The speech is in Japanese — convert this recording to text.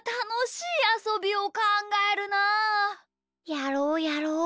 やろうやろう。